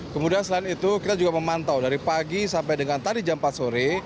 kemudian selain itu kita juga memantau dari pagi sampai dengan tadi jam empat sore